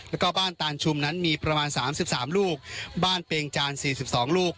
แล้วก็บ้านตานชุมนั้นมีประมาณสามสิบสามลูกบ้านเปงจานสี่สิบสองลูก